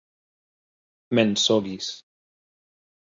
mensogis